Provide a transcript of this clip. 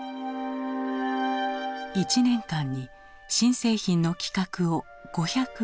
１年間に新製品の企画を５００考える。